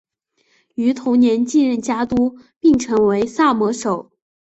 于同年继任家督并成为萨摩守。